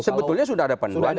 sebetulnya sudah ada panduannya